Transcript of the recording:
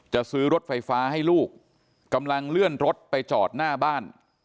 จะซื้อรถไฟฟ้าให้ลูกกำลังเลื่อนรถไปจอดหน้าบ้าน